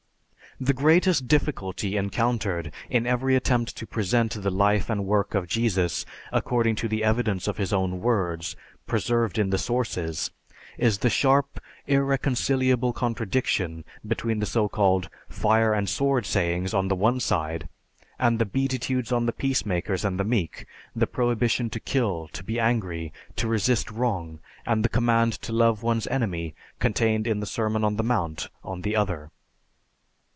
The greatest difficulty encountered in every attempt to present the life and work of Jesus according to the evidence of his own words preserved in the sources is the sharp, irreconcilable contradiction between the so called "fire and sword" sayings on the one side, and the beatitudes on the peacemakers and the meek, the prohibition to kill, to be angry, to resist wrong, and the command to love one's enemy, contained in the Sermon on the Mount, on the other.